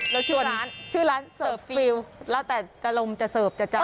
แล้วชื่อร้านชื่อร้านเสิร์ฟฟิลแล้วแต่จะลงจะเสิร์ฟจะ